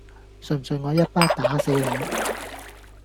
信唔信我一巴打死你